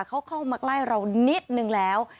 เขาเข้ามาใกล้เรานิดนึงแล้ว